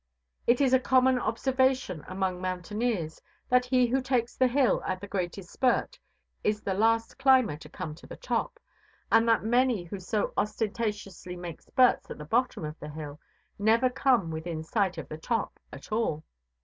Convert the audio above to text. It is a common observation among mountaineers that he who takes the hill at the greatest spurt is the last climber to come to the top, and that many who so ostentatiously make spurts at the bottom of the hill never come within sight of the top at all.